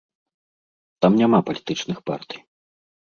Там няма палітычных партый.